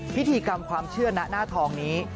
พิธีกรรมความเชื่อณหน้าทองนี้